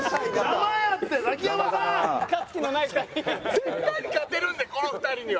絶対勝てるんでこの２人には。